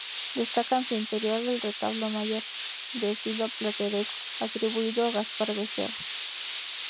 Destaca en su interior el retablo mayor, de estilo plateresco, atribuido a Gaspar Becerra.